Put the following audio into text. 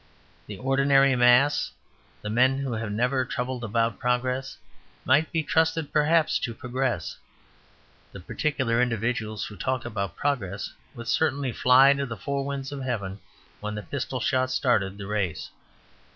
The ordinary mass, the men who have never troubled about progress, might be trusted perhaps to progress. The particular individuals who talk about progress would certainly fly to the four winds of heaven when the pistol shot started the race.